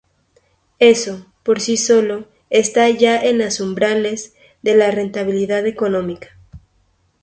Eso, por sí solo, está ya en los umbrales de la rentabilidad económica.